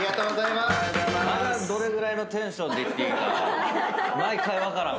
まだどれぐらいのテンションで言っていいか毎回分からん。